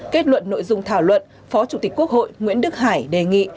kết luận nội dung thảo luận phó chủ tịch quốc hội nguyễn đức hải đề nghị